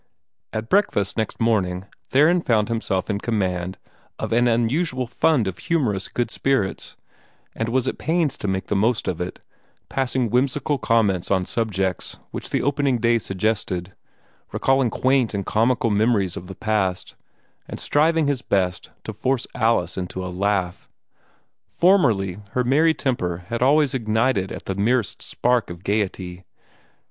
At breakfast the next morning Theron found himself in command of an unusual fund of humorous good spirits, and was at pains to make the most of it, passing whimsical comments on subjects which the opening day suggested, recalling quaint and comical memories of the past, and striving his best to force Alice into a laugh. Formerly her merry temper had always ignited at the merest spark of gayety.